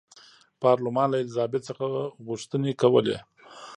پارلمان له الیزابت څخه غوښتنې کولې.